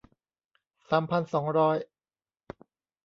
สามพันสองร้อย